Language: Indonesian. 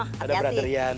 hati hati ada berada rian